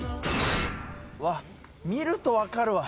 うわっ見ると分かるわ。